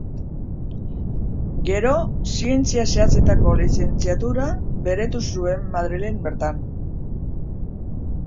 Gero Zientzia Zehatzetako lizentziatura beretu zuen Madrilen bertan.